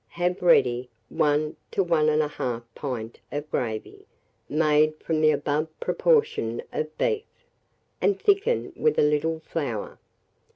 Have ready 1 1/2 pint of gravy, made from the above proportion of beef, and thickened with a little flour.